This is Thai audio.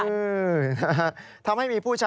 ดิฉันชอบเก้าอี้มหาศจรรย์และกระจกร้านของฉัน